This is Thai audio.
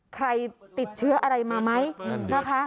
ใครติดเชื้ออะไรมาไหมนะคะ